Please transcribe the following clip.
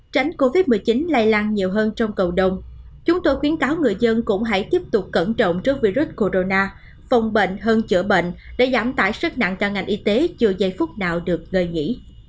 tránh covid một mươi chín lay lăng nhiều hơn trong cầu đồng chúng tôi khuyến cáo người dân cũng hãy tiếp tục cẩn trọng trước virus corona phòng bệnh hơn chữa bệnh để giảm tải sức nặng cho ngành y tế chưa giây phút nào được ngơi nhỉ